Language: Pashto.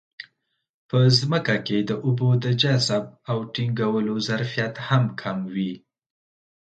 په ځمکه کې د اوبو د جذب او ټینګولو ظرفیت هم کم وي.